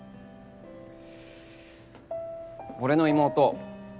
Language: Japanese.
俺の妹